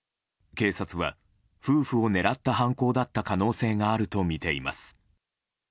警察は、夫婦を狙った犯行だった可能性があるとみています。